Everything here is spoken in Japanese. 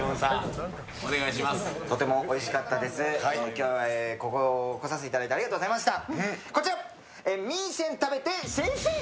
今日はここ来させていただいてありがとうございました。